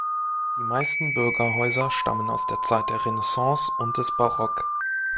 Die meisten Bürgerhäuser stammen aus der Zeit der Renaissance und des Barock.